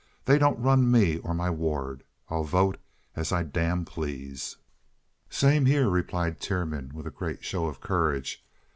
"They don't run me or my ward. I'll vote as I damn please." "Same here," replied Tiernan, with a great show of courage.